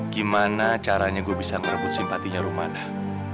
gimana caranya gue bisa merebut simpatinya rumah dah